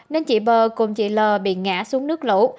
nên chị bờ cùng chị l bị ngã xuống nước lũ